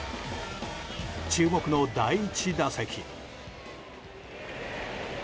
注目の第１打席。